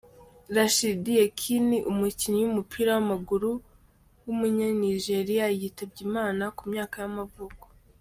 RashidiYekini, umukinnyi w’umupira w’amaguru w’umunyanigeriya yitabye Imana, kumyaka y’amavuko.